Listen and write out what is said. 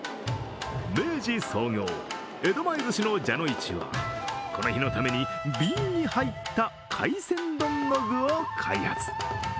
明治創業、江戸前ずしの蛇の市はこの日のために瓶に入った海鮮丼の具を開発。